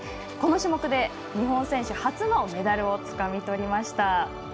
この種目で日本選手初のメダルをつかみとりました。